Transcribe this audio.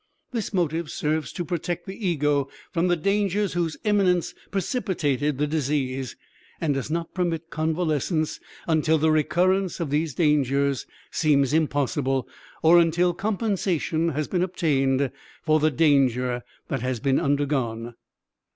This motive serves to protect the ego from the dangers whose imminence precipitated the disease, and does not permit convalescence until the recurrence of these dangers seems impossible, or until compensation has been obtained for the danger that has been undergone.